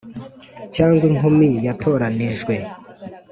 cyangwa inkumi yatoranijwe